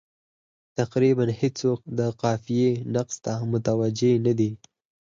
تقریبا هېڅوک د قافیې نقص ته متوجه نه دي.